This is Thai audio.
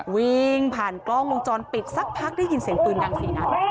วิ่งผ่านกล้องวงจรปิดสักพักได้ยินเสียงปืนดัง๔นัด